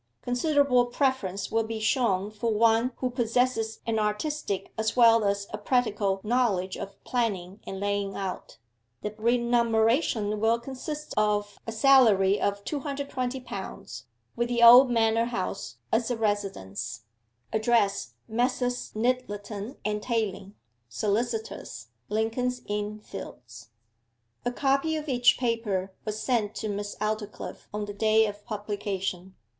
Considerable preference will be shown for one who possesses an artistic as well as a practical knowledge of planning and laying out. The remuneration will consist of a salary of 220 pounds, with the old manor house as a residence Address Messrs. Nyttleton and Tayling, solicitors, Lincoln's Inn Fields.' A copy of each paper was sent to Miss Aldclyffe on the day of publication.